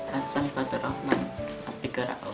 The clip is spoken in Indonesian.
hasan fatur rahman api ora om